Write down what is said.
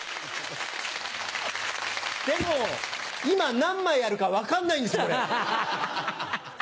でも今何枚あるか分かんないんですこれ。